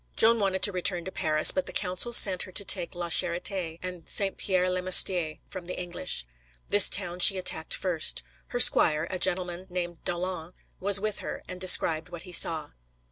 Joan wanted to return to Paris, but the council sent her to take La Charité and Saint Pierre le Moustier from the English. This town she attacked first. Her squire, a gentleman named d'Aulon, was with her, and described what he saw.